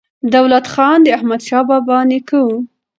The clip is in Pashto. دولت خان د احمدشاه بابا نیکه و.